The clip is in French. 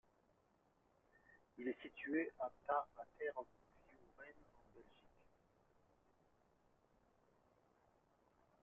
Il est situé à Tervueren en Belgique.